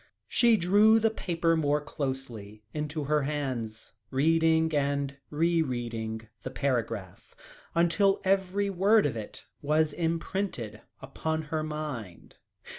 She drew the paper more closely into her hands, reading and re reading the paragraph, until every word of it was imprinted upon her mind.